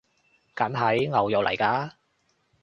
梗係！牛肉來㗎！